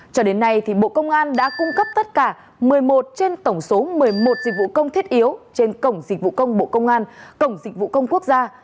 cho đến nay bộ công an đã cung cấp tất cả một mươi một trên tổng số một mươi một dịch vụ công thiết yếu trên cổng dịch vụ công bộ công an cổng dịch vụ công quốc gia